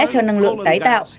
cho năng lượng tái tạo